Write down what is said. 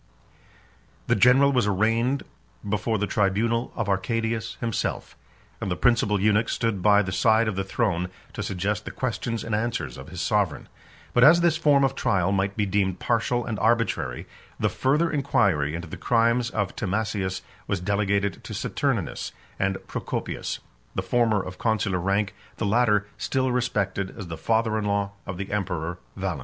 The general was arraigned before the tribunal of Arcadius himself; and the principal eunuch stood by the side of the throne to suggest the questions and answers of his sovereign. But as this form of trial might be deemed partial and arbitrary, the further inquiry into the crimes of Timasius was delegated to Saturninus and Procopius; the former of consular rank, the latter still respected as the father in law of the emperor Valens.